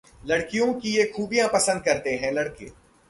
लड़कियों की ये खूबियां पसंद करते हैं लड़के...